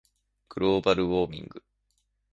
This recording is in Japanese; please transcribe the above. global warming